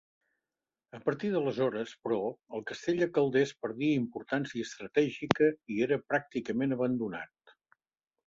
A partir d'aleshores, però, el castell de Calders perdia importància estratègica i era pràcticament abandonat.